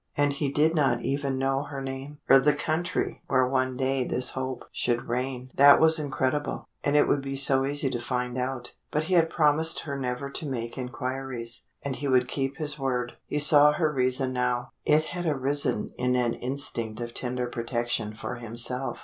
And he did not even know her name, or the country where one day this hope should reign. That was incredible and it would be so easy to find out. But he had promised her never to make inquiries, and he would keep his word. He saw her reason now; it had arisen in an instinct of tender protection for himself.